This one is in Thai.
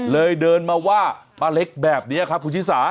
เลยเดินมาว่าป้าเล็กแบบนี้ครับผู้ชายศาสตร์